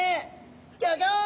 ギョギョ！